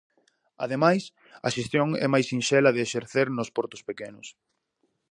Ademais, a xestión é máis sinxela de exercer nos portos pequenos.